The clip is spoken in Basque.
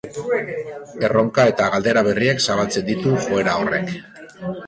Erronka eta galdera berriak zabaltzen ditu joera horrek.